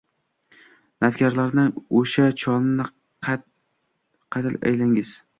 Navkarlarni, o’sha cholni qatl aylangiz!